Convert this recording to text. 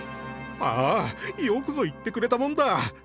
「ああ、よくぞ言ってくれたもんだ」。